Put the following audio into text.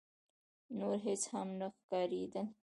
نور هيڅ هم نه ښکارېدل.